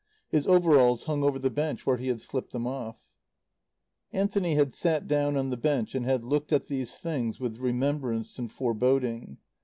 His overalls hung over the bench where he had slipped them off. Anthony had sat down on the bench and had looked at these things with remembrance and foreboding.